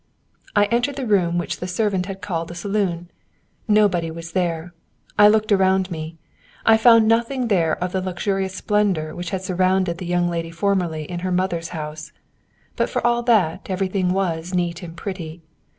I entered the room which the servant had called a saloon. Nobody was there. I looked around me. I found nothing there of the luxurious splendour which had surrounded the young lady formerly in her mother's house; but for all that everything was neat and pretty.